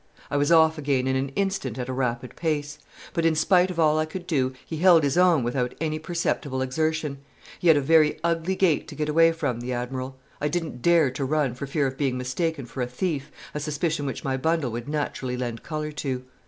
I was off again in an instant at a rapid pace; but in spite of all I could do he held his own without any perceptible exertion. He had a very ugly gait to get away from, the Admiral. I didn't dare to run, for fear of being mistaken for a thief, a suspicion which my bundle would naturally lend color to.